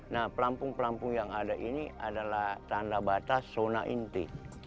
nah pelampung pelampung yang ada ini adalah tanda batas zona inti